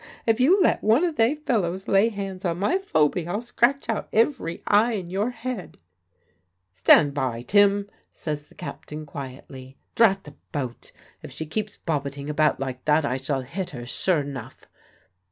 If you let one of they fellows lay hands on my Phoby I'll scratch out ivery eye in your head ..." "Stand by, Tim," says the captain quietly. "Drat the boat! If she keeps bobbiting about like that I shall hit her, sure 'nuff!"